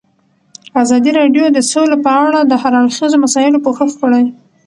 ازادي راډیو د سوله په اړه د هر اړخیزو مسایلو پوښښ کړی.